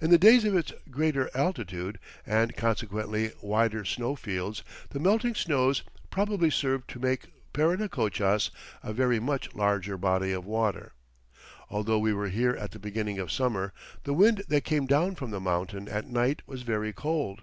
In the days of its greater altitude, and consequently wider snow fields, the melting snows probably served to make Parinacochas a very much larger body of water. Although we were here at the beginning of summer, the wind that came down from the mountain at night was very cold.